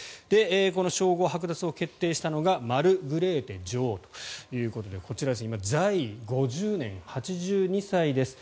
この称号はく奪を決定したのがマルグレーテ女王ということでこちら、在位５０年８２歳です。